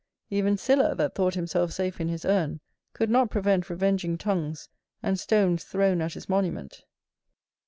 Even Sylla, that thought himself safe in his urn, could not prevent revenging tongues, and stones thrown at his monument.